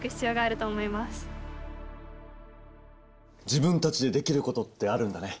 自分たちでできることってあるんだね。